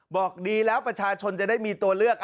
บอกดีแล้วประชาชนจะได้มีตัวเลือก